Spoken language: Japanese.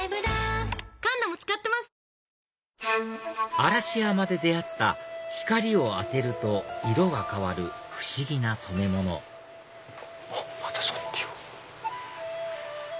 嵐山で出会った光を当てると色が変わる不思議な染め物またそっちを。